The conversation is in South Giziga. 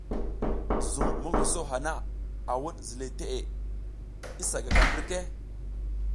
Zuŋ mongoso hana, a wuɗ ziley teʼe, i sa gaka mbirke.